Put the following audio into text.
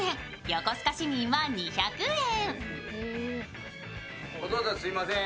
横須賀市民は２００円。